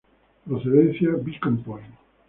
Procedencia: Beacon Point.